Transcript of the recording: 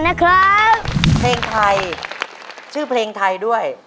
มีเพลงไทยชื่อเพลงไทยด้วย